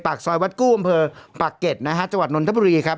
ปากซอยวัดกู้บริเวณปากเก็ตนะฮะจัวร์นนท์ธปรีครับ